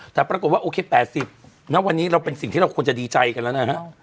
แต่ปรากฏว่าโอเค๘๐ณวันนี้เราเป็นสิ่งที่เราควรจะดีใจกันแล้วนะฮะ